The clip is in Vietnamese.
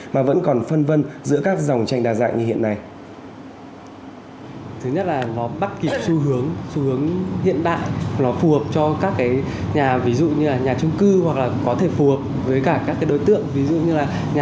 mà vẫn còn phân vân giữa các dòng tranh đa dạng như hiện nay